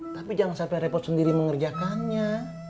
tapi jangan sampai repot sendiri mengerjakannya